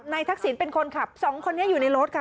นายทักศิลป์เป็นคนขับ๒คนนี้อยู่ในรถค่ะ